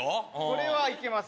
これはいけます。